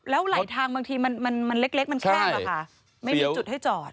แล้วไหลทางบางทีมันเล็กมันแข้งหรอค่ะไม่มีจุดให้จอด